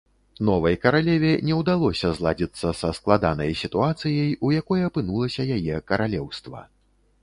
Новай каралеве не ўдалося зладзіцца са складанай сітуацыяй, у якой апынулася яе каралеўства.